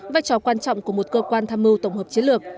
vai trò quan trọng của một cơ quan tham mưu tổng hợp chiến lược